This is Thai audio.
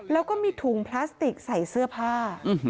แล้วก็มีถุงพลาสติกใส่เสื้อผ้า